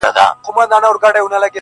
شپه اوږده او سړه وي تل